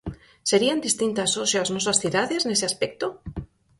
Serían distintas hoxe as nosas cidades, nese aspecto?